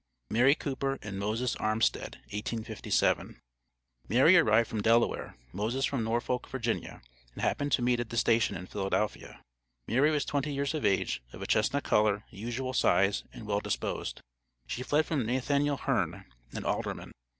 MARY COOPER AND MOSES ARMSTEAD, 1857. Mary arrived from Delaware, Moses from Norfolk, Virginia, and happened to meet at the station in Philadelphia. Mary was twenty years of age, of a chestnut color, usual size, and well disposed. She fled from Nathaniel Herne, an alderman.